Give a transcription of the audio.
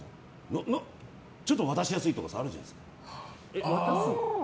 ちょっと渡しやすいとかあるじゃないですか。